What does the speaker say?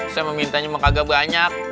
saya mau minta cuma kagak banyak